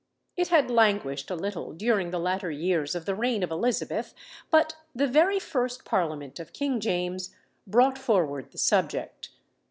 It had languished a little during the latter years of the reign of Elizabeth; but the very first parliament of King James brought forward the subject.